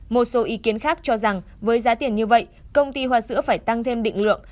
một số ý kiến khác cho rằng với giá tiền như vậy công ty hoa sữa phải tăng thêm định lượng